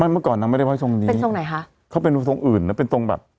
เมื่อก่อนนางไม่ได้ไห้ทรงนี้เป็นทรงไหนคะเขาเป็นทรงอื่นนะเป็นทรงแบบ